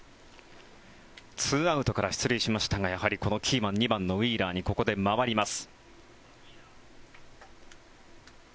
２アウトから出塁しましたがやはりこのキーマン２番のウィーラーにここで回ります。